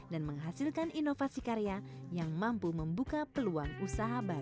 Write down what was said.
dan menghasilkan inovasi karya yang mampu membuka peluang usaha baru